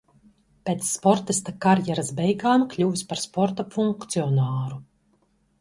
Pēc sportista karjeras beigām kļuvis par sporta funkcionāru.